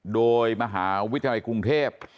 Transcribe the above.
โดยมหาวิทยาลัยกรุงเทพ